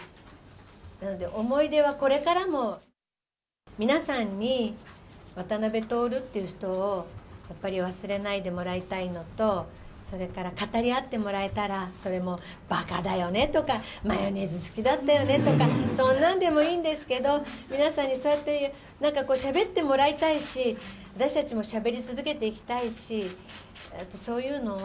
なので思い出はこれからも。皆さんに渡辺徹っていう人をやっぱり忘れないでもらいたいのと、それから語り合ってもらえたら、それも、ばかだよねとか、マヨネーズ好きだったよねとか、そんなんでもいいんですけど、皆さんにそうやって、なんかしゃべってもらいたいし、私たちもしゃべり続けていきたいし、そういうのを、